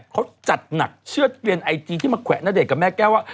เขาจัดหนักเชื่อดเกลียนไอจีที่มาแขวะณเดชนกับแม่แก้วว่า